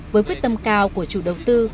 với quyết tâm cao của chủ đầu tư